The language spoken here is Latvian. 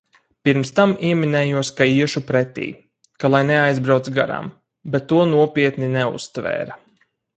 Pirms tam ieminējos, ka iešu pretī, ka lai neaizbrauc garām, bet to nopietni neuztvēra.